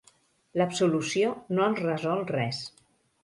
L'absolució no els resol res.